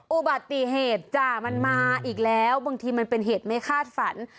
อุบัติเหตุจ้ะมันมาอีกแล้วบางทีมันเป็นเหตุไม่คาดฝัน